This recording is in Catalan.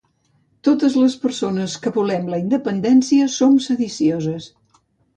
Totes les persones que volem la independència som sedicioses.